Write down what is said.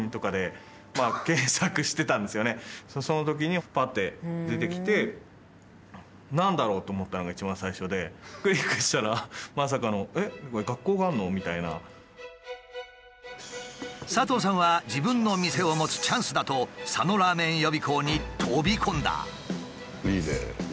そのときにパッて出てきて佐藤さんは自分の店を持つチャンスだと佐野らーめん予備校に飛び込んだ。